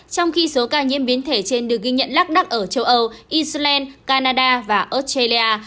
trong khi số ca nhiễm biến thể trên được ghi nhận lắc đắc ở châu âu israel canada và australia